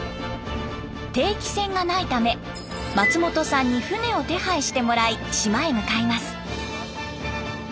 定期船がないため松本さんに船を手配してもらい島へ向かいます。